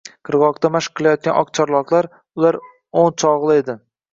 Qirg‘oqda mashq qilayotgan oqcharloqlar — ular o‘n choqli edi —